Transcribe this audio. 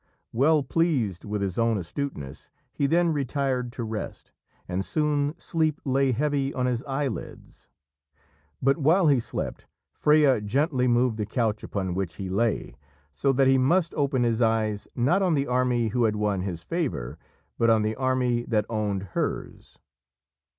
Well pleased with his own astuteness, he then retired to rest, and soon sleep lay heavy on his eyelids. But, while he slept, Freya gently moved the couch upon which he lay, so that he must open his eyes not on the army who had won his favour, but on the army that owned hers.